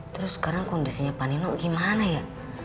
terus sekarang kondisinya pak nino gimana ya